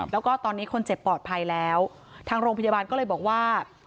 แล้วก็ตอนนี้คนเจ็บปลอดภัยแล้วทางโรงพยาบาลก็เลยบอกว่า